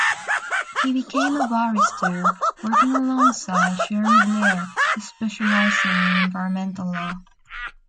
He became a barrister, working alongside Cherie Blair, specialising in environmental law.